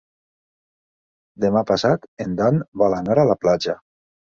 Demà passat en Dan vol anar a la platja.